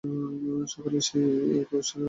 সকলেই সেই এক অনন্ত ঈশ্বরেরই বিভিন্ন অভিব্যক্তিমাত্র।